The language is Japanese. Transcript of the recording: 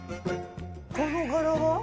この柄は？